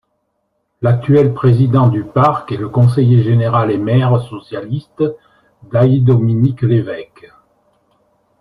L'actuel président du parc est le conseiller général et maire socialiste d'Aÿ Dominique Lévèque.